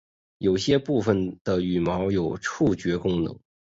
有些部位的羽毛有触觉功能。